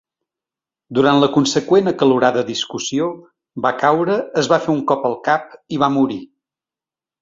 Durant la conseqüent acalorada discussió, va caure, es va fer un cop al cap i va morir.